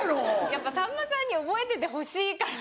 やっぱさんまさんに覚えててほしいから。